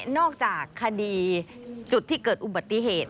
อกจากคดีจุดที่เกิดอุบัติเหตุ